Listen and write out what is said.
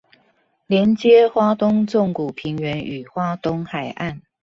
連接花東縱谷平原與花東海岸